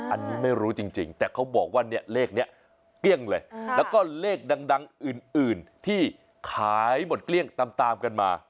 อันนี้ไม่รู้จริงแต่เขาบอกว่าเนี่ยเลขนี้เกลี้ยงเลยแล้วก็เลขดังอื่นที่ขายหมดเกลี้ยงตามกันมา